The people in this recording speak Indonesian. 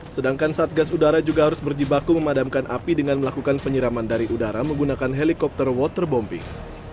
sedangkan satgas udara juga harus berjibaku memadamkan api dengan melakukan penyiraman dari udara menggunakan helikopter waterbombing